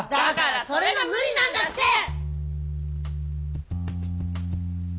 だからそれが無理なんだって！